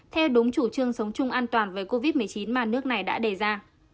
theo đúng chủ trương sống chung an toàn với covid một mươi chín mà nước này đã đề ra